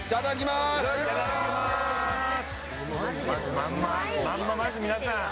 まあまず皆さん